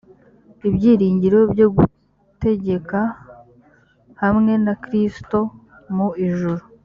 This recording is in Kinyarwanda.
ibyiringiro byo gutegeka hamwe na kristo mu ijuru